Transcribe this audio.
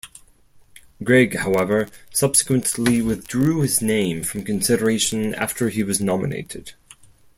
Gregg, however, subsequently withdrew his name from consideration after he was nominated.